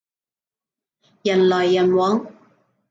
人來人往